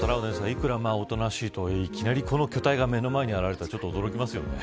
いくらおとなしいとはいえいきなりこの巨体が目の前に現れたら、驚きますよね。